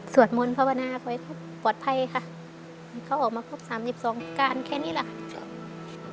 สวดมนต์ภาพนาคไว้ปลอดภัยค่ะเขาออกมาพบ๓๒ประการแค่นี้แหละ